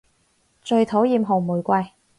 最討厭紅玫瑰